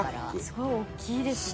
すごい大きいですね。